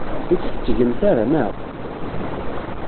Ur tt-tettgemt ara, naɣ?